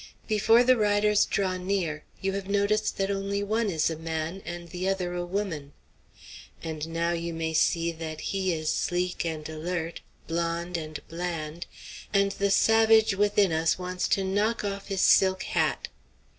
Before the riders draw near you have noticed that only one is a man and the other a woman. And now you may see that he is sleek and alert, blonde and bland, and the savage within us wants to knock off his silk hat.